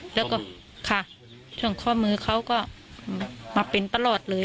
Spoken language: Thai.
แล้วก็ค่ะช่วงข้อมือเขาก็มาเป็นตลอดเลย